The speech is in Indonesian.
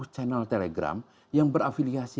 channel telegram yang berafiliasi